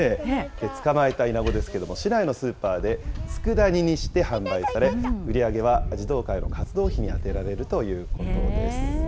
捕まえたイナゴですけれども、市内のスーパーでつくだ煮にして販売され、売り上げは児童会の活動費に充てられるということです。